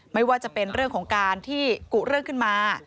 ไม่ว่าจะเป็นเรื่องของการที่กุเรื่องขึ้นมา